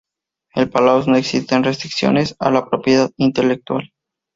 En Palaos no existen restricciones a la propiedad intelectual.